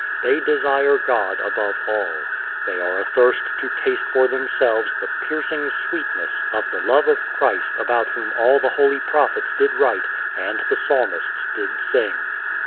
They desire God above all. They are athirst to taste for themselves the "piercing sweetness" of the love of Christ about Whom all the holy prophets did write and the psalmists did sing.